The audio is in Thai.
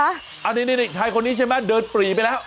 อันนี้ชายคนนี้ใช่ไหมเดินปรีไปแล้ว